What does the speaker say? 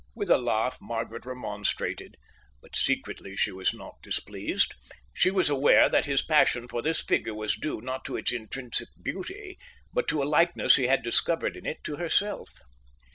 With a laugh Margaret remonstrated, but secretly she was not displeased. She was aware that his passion for this figure was due, not to its intrinsic beauty, but to a likeness he had discovered in it to herself.